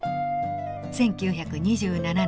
１９２７年。